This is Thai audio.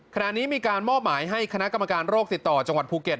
ขณะนี้มีการมอบหมายให้คณะกรรมการโรคติดต่อจังหวัดภูเก็ต